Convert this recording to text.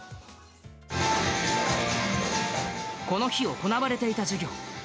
この日行われていた授業。